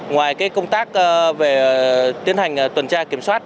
ngoài công tác về tiến hành tuần tra kiểm soát